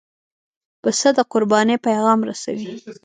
پسه د قربانۍ پیغام رسوي.